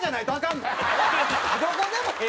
どこでもええやん。